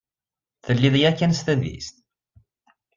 Telliḍ yakan s tadist?